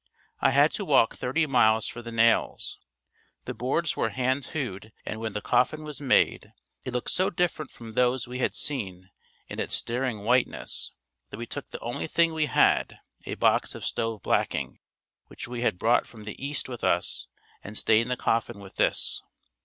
I had to walk thirty miles for the nails. The boards were hand hewed and when the coffin was made, it looked so different from those we had seen, in its staring whiteness, that we took the only thing we had, a box of stove blacking, which we had brought from the east with us and stained the coffin with this.